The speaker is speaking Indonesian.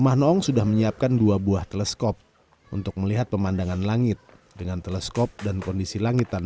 hanya memang ketika kampanye langit gelap ini dilaksanakan